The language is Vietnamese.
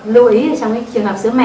lưu ý trong trường hợp sữa mẹ